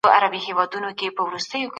د اوبو چښل د بدن تر ټولو ښه عادت دی.